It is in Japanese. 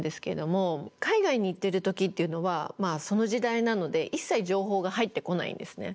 海外に行ってる時っていうのはまあその時代なので一切情報が入ってこないんですね。